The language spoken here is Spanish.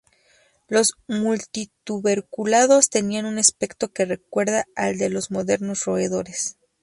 Los multituberculados tenían un aspecto que recuerda al de los modernos roedores.